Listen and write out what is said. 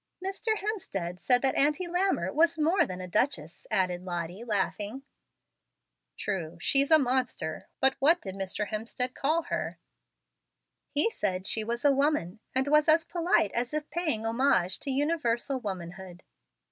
"Mr. Hemstead said that Auntie Lammer was more than a duchess," added Lottie, laughing. "True, she's a monster. Bat what did Mr. Hemstead call her?" "He said she was a 'woman,' and was as polite is if paying homage to universal womanhood."